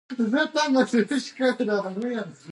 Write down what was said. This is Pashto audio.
ګلالۍ چای په ترموز کې واچوه او بېرته کلا ته روانه شوه.